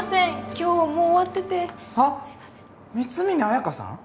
今日もう終わっててあっ光峯綾香さん？